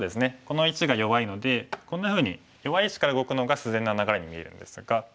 この石が弱いのでこんなふうに弱い石から動くのが自然な流れに見えるんですが。